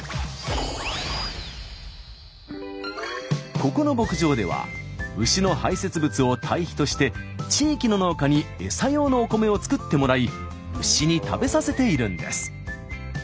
ここの牧場では牛の排せつ物をたい肥として地域の農家に餌用のお米を作ってもらい牛に食べさせているんです。